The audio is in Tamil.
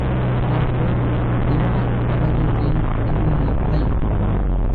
பார்ப்போம் திவான்பகதூரின் திருமணத்தை.